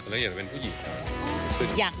ละเอียดเป็นผู้หญิงค่ะ